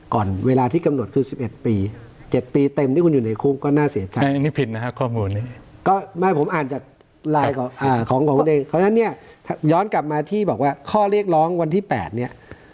ก่อนเวลาที่กำหนดคือสิบเอ็ดปีเจ็ดปีเต็มที่คุณอยู่ในคุมก็น่าเสียชัย